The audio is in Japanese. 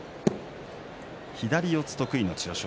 左四つ得意の千代翔